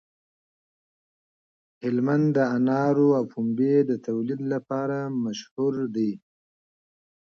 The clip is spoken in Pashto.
هلمند د انارو او پنبې د تولید لپاره مشهور دی.